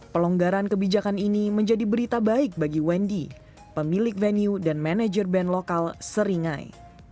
pelonggaran kebijakan ini menjadi berita baik bagi wendy pemilik venue dan manajer band lokal seringai